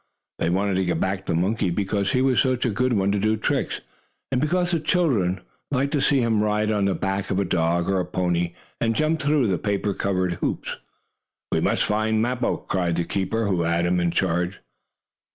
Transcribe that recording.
They wanted to get back the monkey because he was such a good one to do tricks, and because the children, many of whom came to the circus, liked to see him ride on the back of a dog, or pony, and jump through paper covered hoops. "We must find Mappo!" cried the keeper who had him in charge.